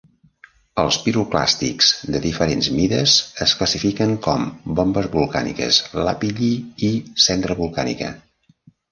Els piroclàstics de diferents mides es classifiquen com bombes volcàniques, lapilli y cendra volcànica.